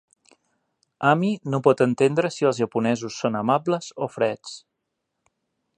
Ami no pot entendre si els japonesos són amables o freds.